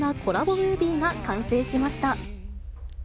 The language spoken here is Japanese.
ムービーが完成しました。